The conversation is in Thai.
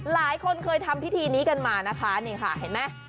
หลายคนเคยทำพิธีนี้กันมานะคะนี่ค่ะเห็นไหม